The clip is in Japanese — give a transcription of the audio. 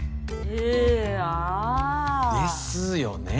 えぇあぁ。ですよね。